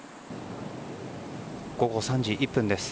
午後３時１分です。